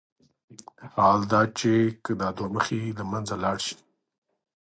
حال دا چې که دا دوه مخي له منځه لاړ شي.